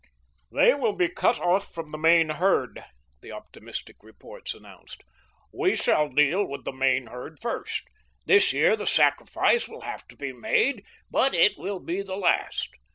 "They will be cut off from the main herd," the optimistic reports announced. "We shall deal with the main herd first. This year the sacrifice will have to be made, but it will be the last.